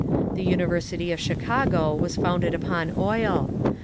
The University of Chicago was founded upon oil.